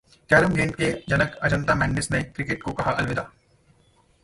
carrom गेंद के जनक अजंता मेंडिस ने क्रिकेट को कहा अलविदा